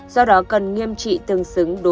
do đó cần nghiêm trị từng